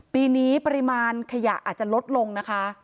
ปีนี้ปริมาณขยะอาจจะลดลงนะคะ